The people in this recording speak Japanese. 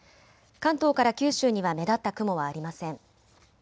関東から九州には目立った雲はありません。